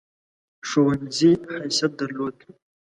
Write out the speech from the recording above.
ښوونځي حیثیت درلود.